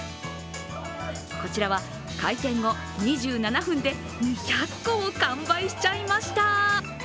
こちらは開店後２７分で２００個を完売しちゃいました。